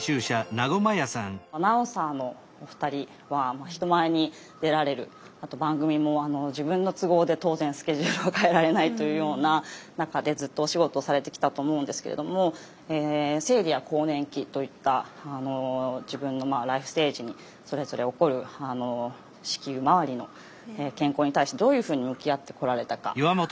アナウンサーのお二人は人前に出られるあと番組も自分の都合で当然スケジュールを変えられないというような中でずっとお仕事されてきたと思うんですけれども生理や更年期といった自分のライフステージにそれぞれ起こる子宮まわりの健康に対してどういうふうに向き合ってこられたか。